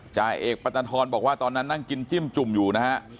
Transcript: จ่าเอกปัตตานทรบอกว่าตอนนั้นนั่งกินจิ้มจุ่มอยู่นะฮะ